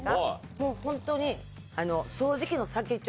もうホントに。